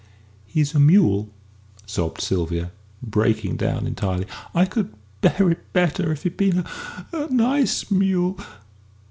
"He's a mule," sobbed Sylvia, breaking down entirely. "I could bear it better if he had been a nice mule....